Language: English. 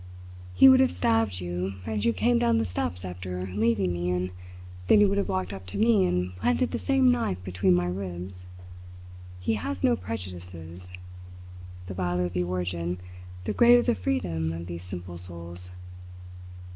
He would have stabbed you as you came down the steps after leaving me and then he would have walked up to me and planted the same knife between my ribs. He has no prejudices. The viler the origin, the greater the freedom of these simple souls!"